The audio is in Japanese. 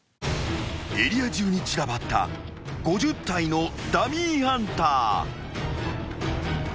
［エリア中に散らばった５０体のダミーハンター］